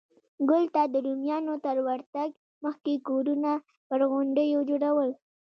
ګول ته د رومیانو تر ورتګ مخکې کورونه پر غونډیو جوړول